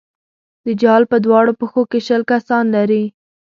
دجال په دواړو پښو کې شل کسان لري.